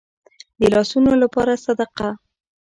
د لاسونو لپاره صدقه.